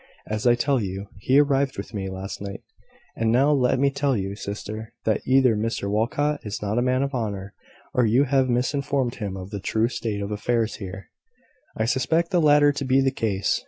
As I tell you, he arrived with me, last night." "And now let me tell you, sister, that either Mr Walcot is not a man of honour, or you have misinformed him of the true state of affairs here: I suspect the latter to be the case.